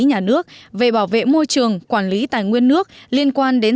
nhà nước về bảo vệ môi trường quản lý tài nguyên nước liên quan đến